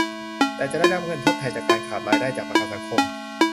แต่จะได้รับเงินทดแทนการขาดรายได้จากประกันสังคม